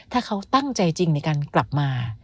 ถ้าเขาตั้งใจจริงในการกลับมา